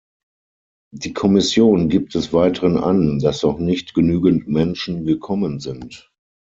Die Kommission gibt des Weiteren an, dass noch nicht genügend Menschen gekommen sind.